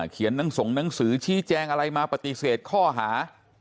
เขียนหนังสือชี้แจงอะไรมาปฏิเสธข้อหา